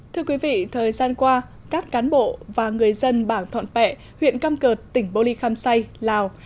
thưa quý vị thời gian qua các cán bộ và người dân bảng thọn pẹ huyện căm cợt tỉnh bô ly kham say lào